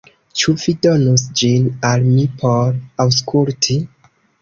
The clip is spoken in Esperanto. Ĉu vi donus ĝin al mi por aŭskulti?